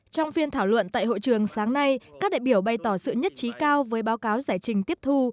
trong phiên thảo luận tại hội trường sáng nay các đại biểu bày tỏ sự nhất trí cao với báo cáo giải trình tiếp thu